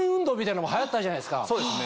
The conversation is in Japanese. そうですね